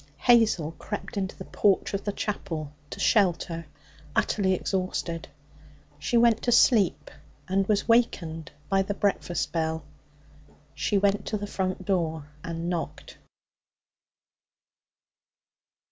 Hazel crept into the porch of the chapel to shelter, utterly exhausted. She went to sleep, and was awakened by the breakfast bell. She went to the front door and knocked.